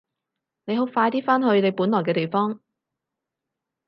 你好快啲返去你本來嘅地方！